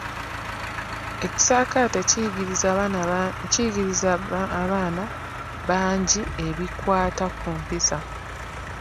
Ekisaakate kiyigirizza abaana bangi ebikwata ku mpisa.